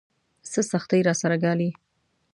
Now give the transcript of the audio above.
څه سختۍ راسره ګالي.